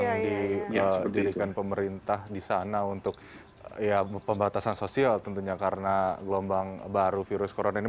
yang didirikan pemerintah di sana untuk ya pembatasan sosial tentunya karena gelombang baru virus corona ini